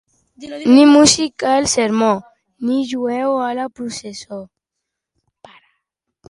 Ni músic al sermó, ni jueu a la processó.